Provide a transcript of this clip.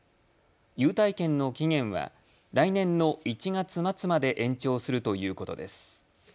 優待券の期限は来年の１月末まで延長するということです。